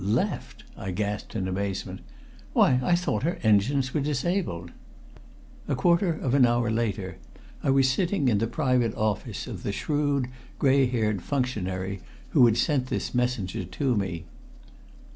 "Left!" I gasped in amazement "Why, I thought her engines were disabled!" A quarter of an hour later I was sitting in the private office of the shrewd, gray haired functionary who had sent this messenger to me.